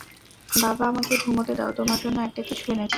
বাবা, আমাকে ঘুমোতে দাও তোমার জন্য একটা কিছু এনেছি।